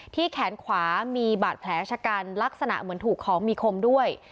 แขนขวามีบาดแผลชะกันลักษณะเหมือนถูกของมีคมด้วย